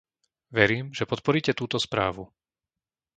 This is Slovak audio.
Verím, že podporíte túto správu.